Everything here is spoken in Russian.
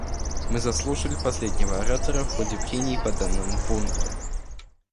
Мы заслушали последнего оратора в ходе прений по данному пункту.